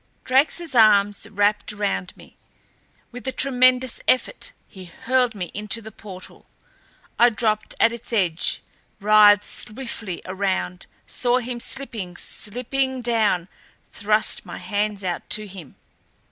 Drake's arms wrapped round me. With a tremendous effort he hurled me into the portal. I dropped at its edge, writhed swiftly around, saw him slipping, slipping down thrust my hands out to him.